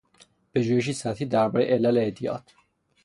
پژوهشی سطحی دربارهی علل اعتیاد